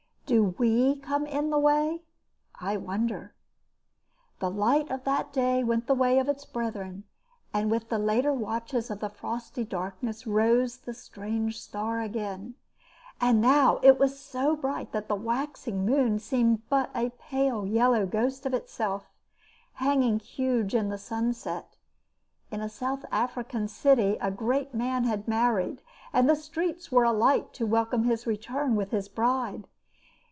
"Do we come in the way? I wonder " The light of that day went the way of its brethren, and with the later watches of the frosty darkness rose the strange star again. And it was now so bright that the waxing moon seemed but a pale yellow ghost of itself, hanging huge in the sunset. In a South African city a great man had married, and the streets were alight to welcome his return with his bride.